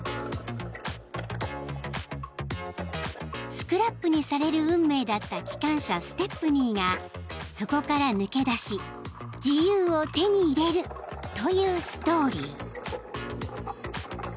［スクラップにされる運命だった機関車ステップニーがそこから抜け出し自由を手に入れるというストーリー］